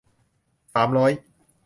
สามร้อย